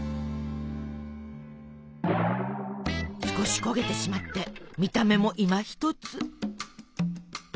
少し焦げてしまって見た目もいまひとつ。